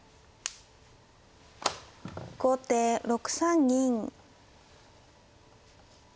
後手６三銀。